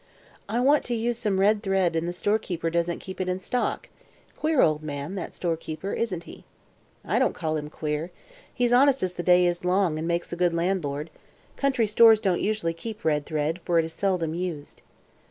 "I want to use some red thread and the storekeeper doesn't keep it in stock. Queer old man, that storekeeper, isn't he?" "I don't call him queer. He's honest as the day is long and makes a good landlord. Country stores don't usually keep red thread, for it is seldom used."